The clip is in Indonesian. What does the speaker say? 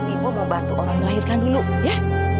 bimo mau bantu orang melahirkan dulu ya